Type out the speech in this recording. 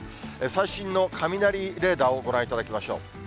最新の雷レーダーをご覧いただきましょう。